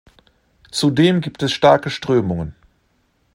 Zudem gibt es starke Strömungen.